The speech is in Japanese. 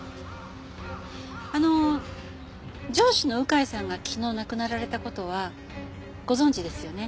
あの上司の鵜飼さんが昨日亡くなられた事はご存じですよね？